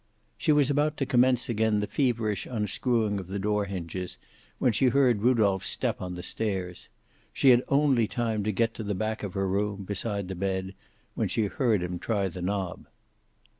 She was about to commence again the feverish unscrewing of the door hinges, when she heard Rudolph's step on the stairs. She had only time to get to the back of her room, beside the bed, when she heard him try the knob.